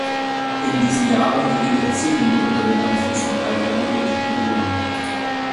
In diesen Jahren geriet er zunehmend unter den Einfluss von Alkohol und Drogen.